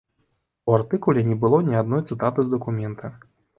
У артыкуле не было ні адной цытаты з дакумента.